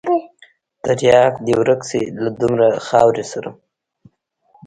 ترياک دې ورک سي له دومره خوارۍ سره.